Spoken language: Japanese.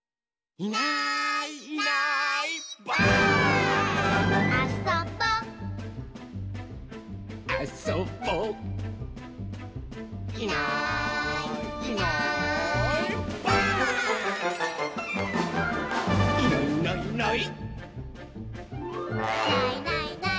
「いないいないいない」